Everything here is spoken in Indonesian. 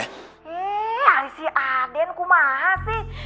iya adik adik aku maaf